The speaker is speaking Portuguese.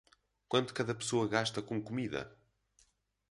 Quanto cada pessoa gasta com comida?